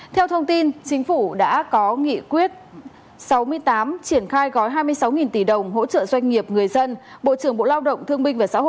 theo thông tin chính phủ đã có nghị quyết sáu mươi tám triển khai gói hai mươi sáu tỷ đồng hỗ trợ doanh nghiệp người dân bộ trưởng bộ lao động thương minh và xã hội